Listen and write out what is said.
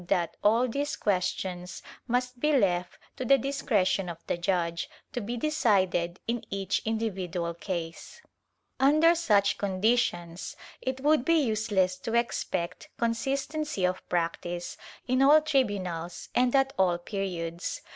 10 TORTURE [Book VI all these questions must be left to the discretion of the judge, to be decided in each individual case/ Under such conditions it would be useless to expect consistency of practice in all tri bunals and at all periods.